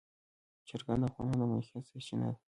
چرګان د افغانانو د معیشت سرچینه ده.